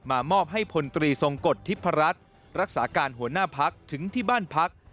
มอบให้พลตรีทรงกฎทิพรัชรักษาการหัวหน้าพักถึงที่บ้านพัก